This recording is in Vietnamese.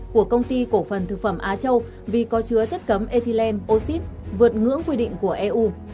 của công ty cổ phần thực phẩm á châu vì có chứa chất cấm ethylene oxyd vượt ngưỡng quy định của eu